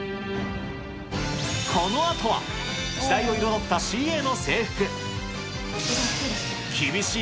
このあとは、時代を彩ったＣＡの制服。